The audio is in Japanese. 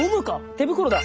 手袋だ！